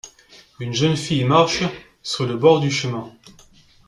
Une jeune fille marche sur le bord du chemin.